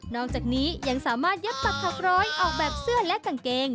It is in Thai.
อกจากนี้ยังสามารถยัดปักถักร้อยออกแบบเสื้อและกางเกง